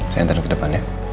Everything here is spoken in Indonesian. saya hantar lo ke depan ya